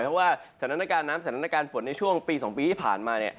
เพราะว่าสถานการณ์น้ำสถานการณ์ฝนในช่วงปี๒ปีที่ผ่านมา